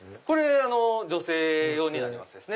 これ女性用になります。